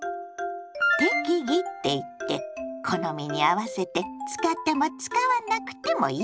「適宜」っていって好みに合わせて使っても使わなくてもいいってこと。